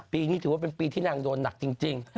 ปีนี้ถือว่าเป็นปีที่นางโดนหนักจริง